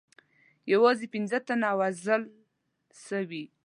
یوازې پنځه تنه وژل سوي.